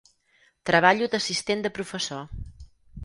Treballo d'assistent de professor.